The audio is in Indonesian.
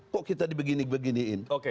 kok kita dibegini beginiin